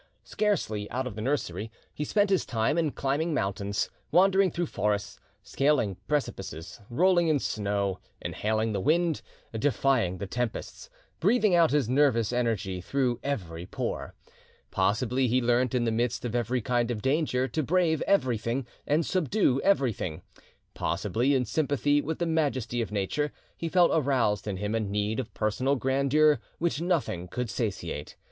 Scarcely out of the nursery, he spent his time in climbing mountains, wandering through forests, scaling precipices, rolling in snow, inhaling the wind, defying the tempests, breathing out his nervous energy through every pore. Possibly he learnt in the midst of every kind of danger to brave everything and subdue everything; possibly in sympathy with the majesty of nature, he felt aroused in him a need of personal grandeur which nothing could satiate.